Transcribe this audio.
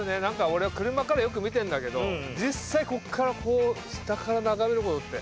俺車からはよく見てんだけど実際こっからこう下から眺めることって。